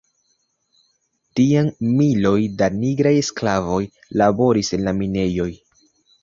Tiam miloj da nigraj sklavoj laboris en la minejoj.